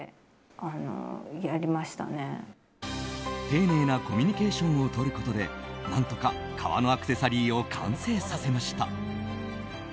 丁寧なコミュニケーションをとることで何とか革のアクセサリーを完成させました。